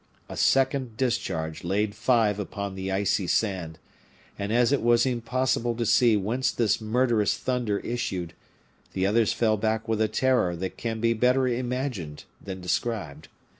A second discharge laid five upon the icy sand; and as it was impossible to see whence this murderous thunder issued, the others fell back with a terror that can be better imagined than described.